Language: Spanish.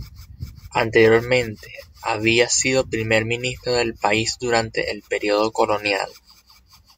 Anteriormente, había sido Primer ministro del país durante el período colonial.